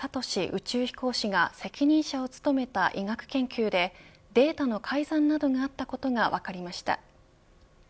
宇宙飛行士が責任者を務めた医学研究でデータの改ざんなどがあったことが分かりました。